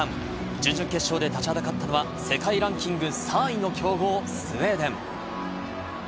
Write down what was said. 準々決勝で立ちはだかったのは世界ランキング３位の強豪・スウェーデン。